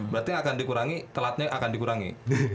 berarti telatnya akan dikurangi